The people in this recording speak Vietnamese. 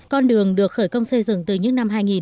con đường được khởi công xây dựng từ những năm hai nghìn